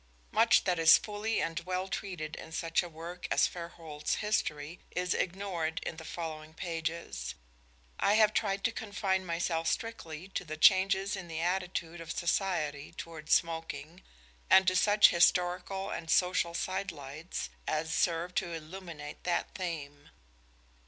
Much that is fully and well treated in such a work as Fairholt's "History" is ignored in the following pages. I have tried to confine myself strictly to the changes in the attitude of society towards smoking, and to such historical and social sidelights as serve to illuminate that theme.